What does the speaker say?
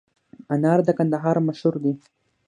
انار د کندهار مشهور دي